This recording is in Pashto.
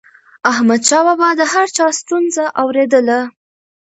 احمدشاه بابا به د هر چا ستونزه اوريدله.